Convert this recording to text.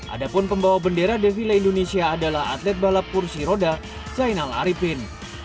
adapun pembawa bendera devila indonesia adalah atlet balapursi roda zainal arifin